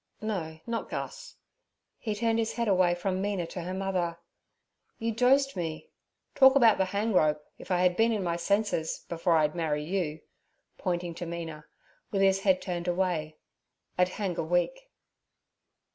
No, not Gus.' He turned his head away from Mina to her mother. 'You dosed me. Talk about the hang rope, if I had been in my senses, before I'd marry you'—pointing to Mina, with his head turned away—'I'd hang a week.'